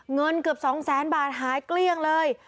เงินเกือบ๒แสนบาทหายเกลี้ยงเลย